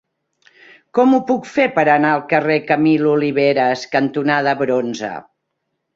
Com ho puc fer per anar al carrer Camil Oliveras cantonada Bronze?